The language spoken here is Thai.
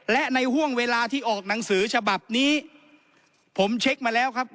และในห่วงเวลาที่ออกหนังสือฉบับนี้ผมเช็คมาแล้วครับ